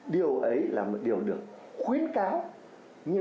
điều ấy là một điều được khuyến cáo